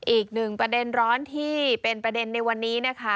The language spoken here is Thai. อีกหนึ่งประเด็นร้อนที่เป็นประเด็นในวันนี้นะคะ